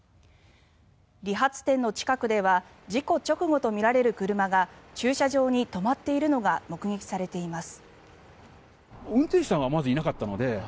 理髪店の近くでは事故直後とみられる車が駐車場に止まっているのが目撃されています。